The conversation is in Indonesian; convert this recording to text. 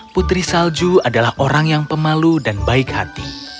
putri salju adalah orang yang pemalu dan baik hati